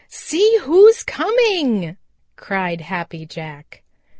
"See who's coming!" cried Happy Jack.